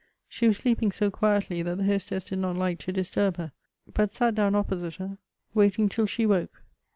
She was sleeping so quietly that the hostess did not like to disturb her, but sat down opj)osite her, waiting till she woke.